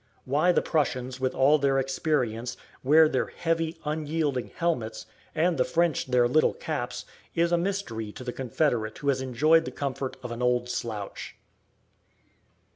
Why the Prussians, with all their experience, wear their heavy, unyielding helmets, and the French their little caps, is a mystery to a Confederate who has enjoyed the comfort of an old slouch.